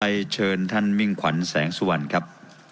เชิญท่านมิ่งขวัญแสงสุวรรณครับ